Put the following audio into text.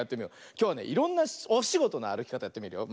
きょうはねいろんなおしごとのあるきかたやってみるよ。